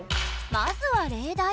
まずは例題。